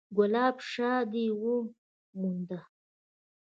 _ګلاب شاه دې ونه موند؟